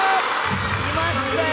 きましたよ